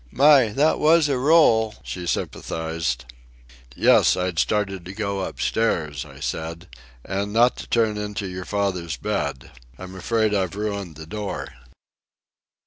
"My, that was a roll," she sympathized. "Yes; I'd started to go upstairs," I said, "and not to turn into your father's bed. I'm afraid I've ruined the door."